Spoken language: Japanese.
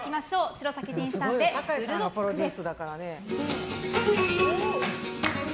城咲仁さんで「ブルドッグ」です。